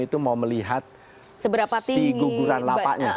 itu mau melihat si guguran lapaknya